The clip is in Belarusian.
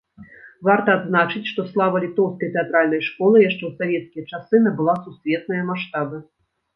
Варта адзначыць, што слава літоўскай тэатральнай школы яшчэ ў савецкія часы набыла сусветныя маштабы.